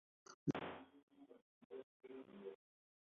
Las semillas son amarillentas y redondeadas.